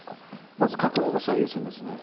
まずは確保が最優先ですね。